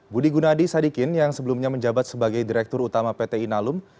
budi gunadi sadikin yang sebelumnya menjabat sebagai direktur utama pt inalum